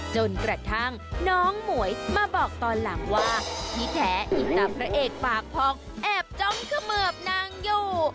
จนกระทั่งน้องหมวยมาบอกตอนหลังว่าที่แท้อิตาพระเอกปากพองแอบจ้องเขมือบนางอยู่